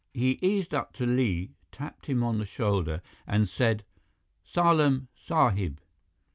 He eased up to Li, tapped him on the shoulder, and said, "Salaam, Sahib."